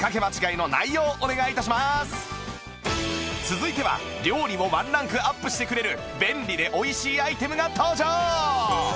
続いては料理をワンランクアップしてくれる便利で美味しいアイテムが登場